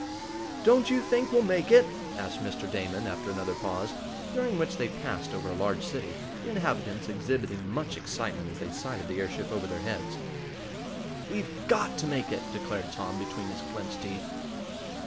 "Don't you think we'll make it?" asked Mr. Damon, after another pause, during which they passed over a large city, the inhabitants exhibiting much excitement as they sighted the airship over their heads. "We've got to make it!" declared Tom between his clenched teeth.